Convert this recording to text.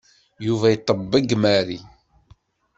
Yuba iṭebbeg Marie.